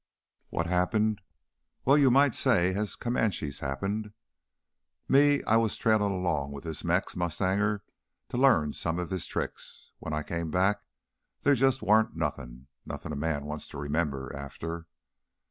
"What happened? Well, you might say as how Comanches happened. Me, I was trailin' 'long with this Mex mustanger to learn some of his tricks. When I came back, theah jus' warn't nothin' nothin' a man wants to remember after.